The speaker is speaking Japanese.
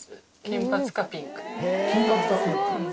金髪かピンク？